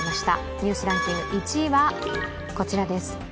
「ニュースランキング」１位はこちらです。